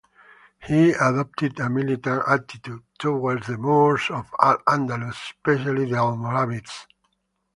He adopted a militant attitude towards the Moors of Al-Andalus, especially the Almoravids.